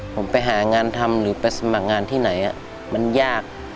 ผมไปหางานทำหรือไปสมัครงานที่ไหนมันยาก